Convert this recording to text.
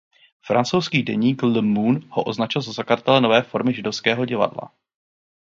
Francouzský deník Le Monde ho označil za zakladatele nové formy židovského divadla.